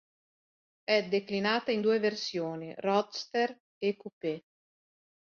È declinata in due versioni, Roadster e Coupé.